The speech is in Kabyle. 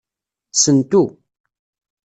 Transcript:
Sentu.